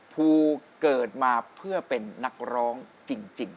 ภูเกิดมาเพื่อเป็นนักร้องจริง